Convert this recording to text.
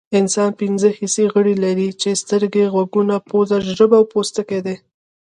انسان پنځه حسي غړي لري چې سترګې غوږونه پوزه ژبه او پوستکی دي